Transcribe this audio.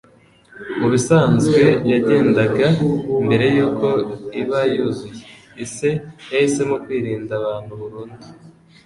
Mubisanzwe, yagenda mbere yuko iba yuzuye; ise yahisemo kwirinda abantu burundu.